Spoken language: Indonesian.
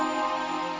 itu prinsip keren